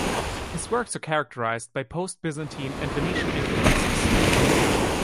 His works are characterized by post-Byzantine and Venetian influences.